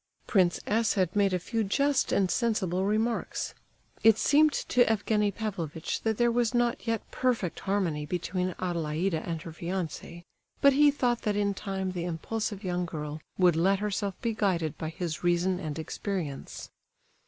Prince S. had made a few just and sensible remarks. It seemed to Evgenie Pavlovitch that there was not yet perfect harmony between Adelaida and her fiance, but he thought that in time the impulsive young girl would let herself be guided by his reason and experience.